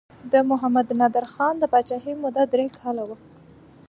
د محمد نادر خان د پاچاهۍ موده درې کاله وه.